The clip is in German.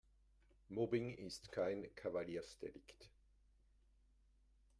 Mobbing ist kein Kavaliersdelikt.